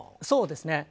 そうですね。